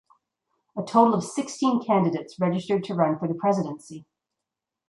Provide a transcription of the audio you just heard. A total of sixteen candidates registered to run for the presidency.